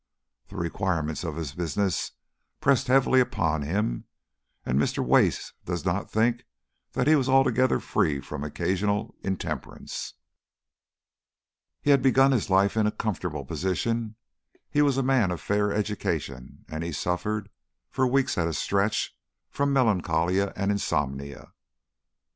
The requirements of his business pressed heavily upon him, and Mr. Wace does not think that he was altogether free from occasional intemperance. He had begun life in a comfortable position, he was a man of fair education, and he suffered, for weeks at a stretch, from melancholia and insomnia.